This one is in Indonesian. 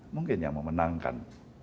mungkin yang memenangkan